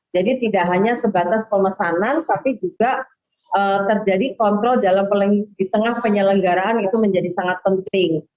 jadi tidak hanya sebatas pemesanan tapi juga terjadi kontrol di tengah penyelenggaraan itu menjadi sangat penting